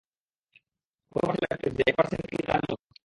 কত পার্সেন্ট লাগতেছে, এক পার্সেন্ট কী তার মত?